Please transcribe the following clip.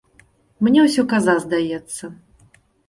Мне усё каза здаецца.